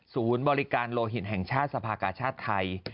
ศูนย์บริการโลหิตแห่งชาติสภากาชาติไทย